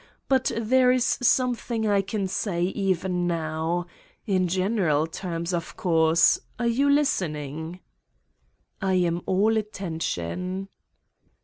But there is something I can say even now ... in general terms, of course. Are you listening?" "I am all attention."